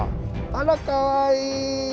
あらかわいい。